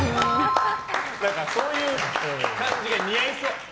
そういう感じが似合いそう。